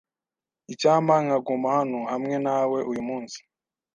Icyampa nkaguma hano hamwe nawe uyu munsi.